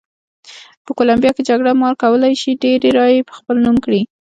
په کولمبیا کې جګړه مار کولای شي ډېرې رایې په خپل نوم کړي.